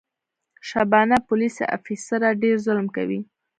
شبانه پولیس افیسره ډېر ظلم کوي.